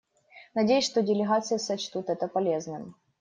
Надеюсь, что делегации сочтут его полезным.